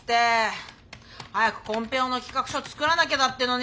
早くコンペ用の企画書作らなきゃだってのに！